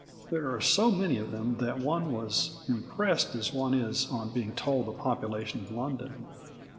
There are so many of them that one was impressed as one is on being told the population of London.